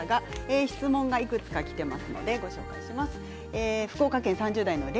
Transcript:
質問が、いくつかきています。